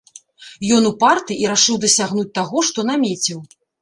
Ён упарты і рашыў дасягнуць таго, што намеціў.